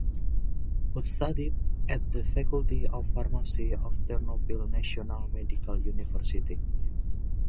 Both studied at the Faculty of Pharmacy of Ternopil National Medical University.